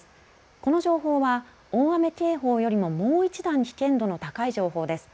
この情報は大雨警報よりももう１段、危険度の高い情報です。